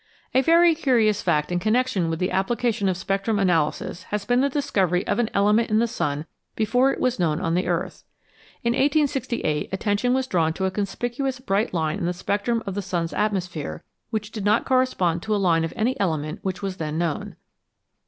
A very curious fact in connection with the application 313 CHEMISTRY OF THE STARS of spectrum analysis has been the discovery of an element in the sun before it was known on the earth. In 1868 attention was drawn to a conspicuous bright line in the spectrum of the sun's atmosphere which did not correspond to a line of any element which was then known.